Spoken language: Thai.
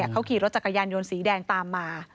เขาขี่รถจักรยานยนต์สีแดงตามมา